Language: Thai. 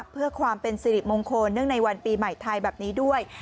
เพื่อความเป็นสิริมงคลเนื่องในวันปีใหม่ไทยแบบนี้ด้วย